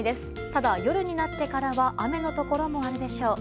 ただ、夜になってからは雨のところもあるでしょう。